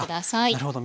なるほど。